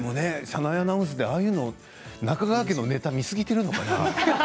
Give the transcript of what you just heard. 車内アナウンスでああいうの中川家のネタを見すぎているのかな。